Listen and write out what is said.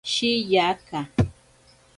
Shiyaka.